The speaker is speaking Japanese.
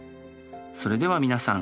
それでは皆さん。